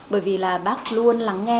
bởi vì là bác luôn lắng nghe